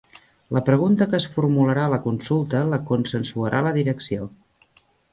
La pregunta que es formularà a la consulta la consensuarà la direcció